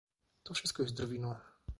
To wszystko jest drwiną